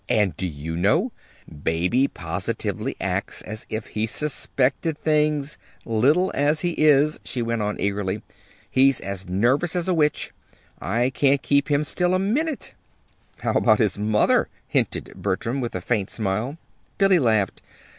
"And, do you know, Baby positively acts as if he suspected things little as he is," she went on eagerly. "He's as nervous as a witch. I can't keep him still a minute!" "How about his mother?" hinted Bertram, with a faint smile. Billy laughed.